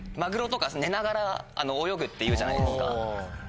っていうじゃないですか。